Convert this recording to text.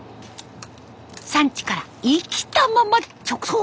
産地から生きたまま直送。